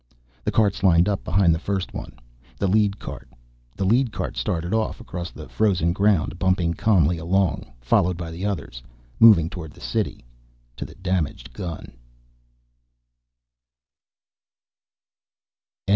The carts lined up behind the first one, the lead cart. The lead cart started off, across the frozen ground, bumping calmly along, followed by the others. Moving toward the city. To the damaged gun.